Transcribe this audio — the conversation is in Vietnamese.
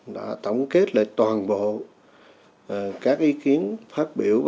đã tổng kết lại toàn bộ các ý kiến phát biểu